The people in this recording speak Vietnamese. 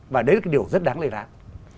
và đấy là điều rất đáng lời ráng